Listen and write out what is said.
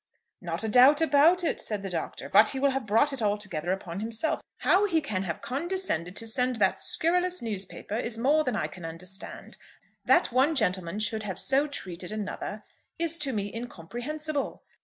"Not a doubt about it," said the Doctor. "But he will have brought it altogether upon himself. How he can have condescended to send that scurrilous newspaper is more than I can understand. That one gentleman should have so treated another is to me incomprehensible.